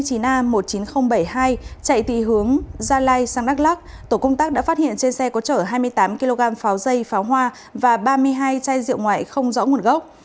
tổ công tác đã phát hiện trên xe có chở hai mươi tám kg pháo dây pháo hoa và ba mươi hai chai rượu ngoại không rõ nguồn gốc